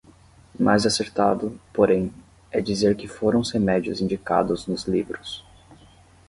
mais acertado, porém, é dizer que foram os remédios indicados nos livros.